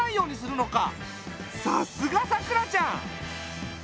さすがさくらちゃん！